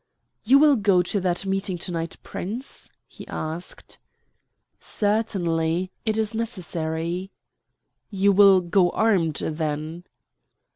"You will go to that meeting to night, Prince?" he asked. "Certainly, it is necessary." "You will go armed, then?"